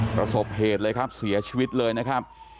ประสบเหตุเลยครับเสียชีวิตเลยนะครับ